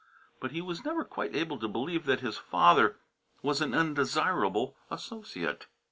But he was never quite able to believe that his father was an undesirable associate.